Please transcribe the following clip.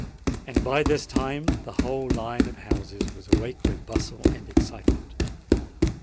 And by this time, the whole line of houses was awake with bustle and excitement.